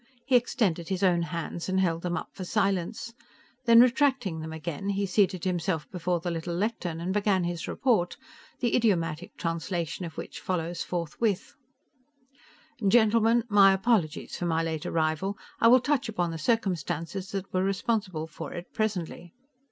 He extended his own "hands" and held them up for silence, then, retracting them again, he seated himself before the little lectern and began his report, the idiomatic translation of which follows forthwith: "Gentlemen, my apologies for my late arrival. I will touch upon the circumstances that were responsible for it presently.